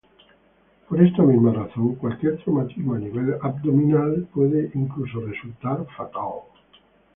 Por esta misma razón, cualquier traumatismo a nivel abdominal puede incluso resultar fatal.